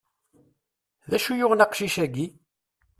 D acu yuɣen aqcic-agi?